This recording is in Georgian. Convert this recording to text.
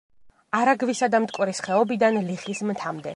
არაგვისა და მტკვრის ხეობიდან ლიხის მთამდე.